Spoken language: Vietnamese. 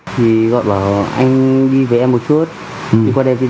khánh không vui và không x edited khác